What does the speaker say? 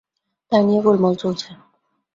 তাই নিয়ে গোলমাল চলছে।